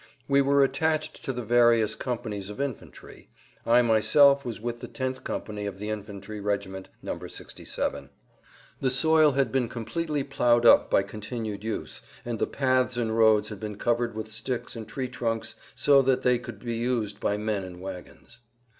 We were attached to the various companies of infantry; I myself was with the tenth company of the infantry regiment No. 67. The soil had been completely ploughed up by continued use, and the paths and roads had been covered with sticks and tree trunks so that they could be used by men and wagons.